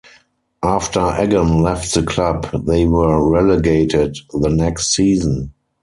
After Eggen left the club, they were relegated the next season.